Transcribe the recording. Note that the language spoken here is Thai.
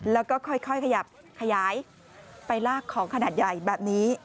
แล้วก็ค่อยขยับขยายไปลากของขนาดใหญ่แบบนี้